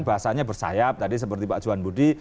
bahasanya bersayap tadi seperti pak johan budi